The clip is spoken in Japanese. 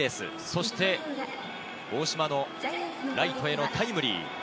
そして大島のライトへのタイムリー。